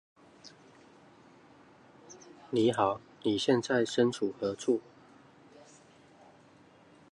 Wharton said the Scots were halted at the Sandy Ford by Arthuret mill dam.